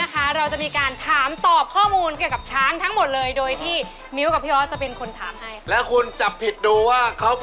ใครคือปริศนามหาสนุกตัวจริงครับ